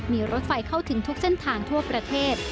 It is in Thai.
มีรถไฟเข้าถึงทุกเส้นทางทั่วประเทศ